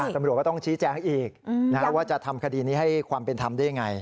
ตำรวจก็ต้องชี้แจงอีกว่าจะทำคดีนี้ให้ความเป็นธรรมได้ยังไง